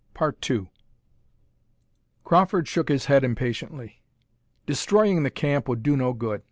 Crawford shook his head impatiently. "Destroying the camp would do no good.